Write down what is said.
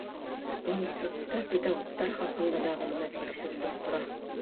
— Институтта педагогтар хаҡында мәғлүмәт тикшерелеп тора.